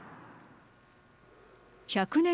１００年